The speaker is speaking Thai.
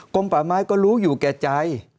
ป่าไม้ก็รู้อยู่แก่ใจ